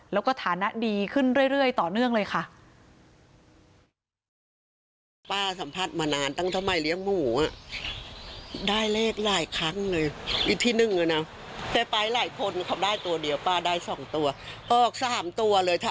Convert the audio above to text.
แล้วก็ฐานะดีขึ้นเรื่อยต่อเนื่องเลยค่ะ